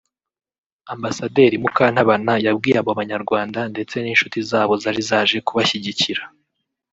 Ambasaderi Mukantabana yabwiye abo banyarwanda ndetse n’inshuti zabo zari zaje kubashyigikira